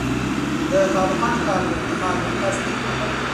د تالقان ښار د تخار مرکز دی